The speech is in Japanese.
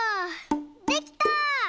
できた！